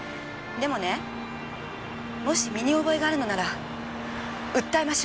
でももし身に覚えがあるのなら訴えましょう！